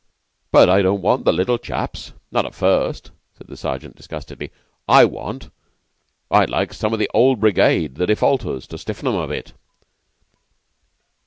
"But I don't want the little chaps not at first," said the Sergeant disgustedly. "I want I'd like some of the Old Brigade the defaulters to stiffen 'em a bit."